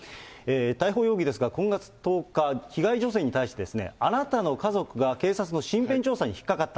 逮捕容疑ですが、今月１０日、被害女性に対して、あなたの家族が警察の身辺調査に引っ掛かった。